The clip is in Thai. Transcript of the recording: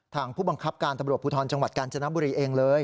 ทางผู้บังคับการพุทธรแบบจังหวัดกาญจนบุรีเองเลย